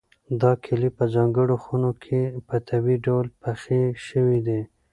دا کیلې په ځانګړو خونو کې په طبیعي ډول پخې شوي دي.